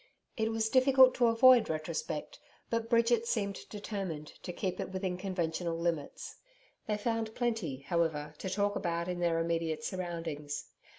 It was difficult to avoid retrospect, but Bridget seemed determined to keep it within conventional limits. They found plenty, however, to talk about in their immediate surroundings.